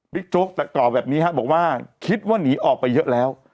บิ๊กโจ๊กต่อแบบนี้บอกว่าคิดว่านีออกไปเยอะแล้ว